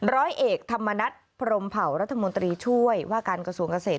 ร้อยเอกธรรมนัฐพรมเผารัฐมนตรีช่วยว่าการกระทรวงเกษตร